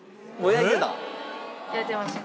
焼いてました。